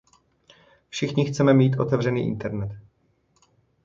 Všichni chceme mít otevřený internet.